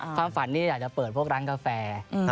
ความฝันนี้อยากจะเปิดพวกร้านกาแฟ